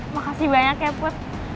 makasih banyak ya put